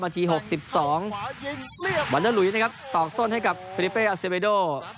ตอกส้นให้กับฟิลิเปอร์อาเซเบโด